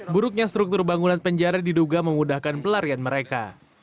buruknya struktur bangunan penjara diduga memudahkan pelarian mereka